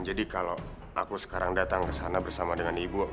jadi kalau aku sekarang datang ke sana bersama dengan ibu